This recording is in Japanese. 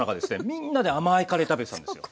みんなで甘いカレー食べてたんですよ。